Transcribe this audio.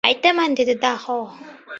— Aytaman! — dedi Daho.